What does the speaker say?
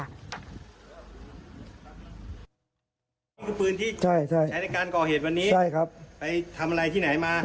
นี่คือปืนที่ใช้ในการก่อเหตุวันนี้ไปทำอะไรที่ไหนมาใช่ใช่